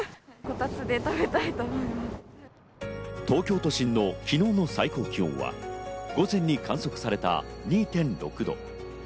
東京都心の昨日の最高気温は午前に観測された２．６度。